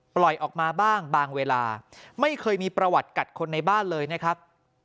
ปล่อยออกมาบ้างบางเวลาไม่เคยมีประวัติกัดคนในบ้านเลยนะครับ